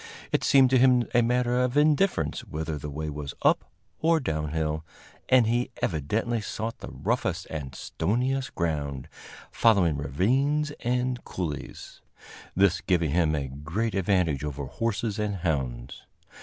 It seemed to him a matter of indifference whether the way was up or down hill, and he evidently sought the roughest and stoniest ground, following ravines and coulees this giving him a great advantage over horses and hounds.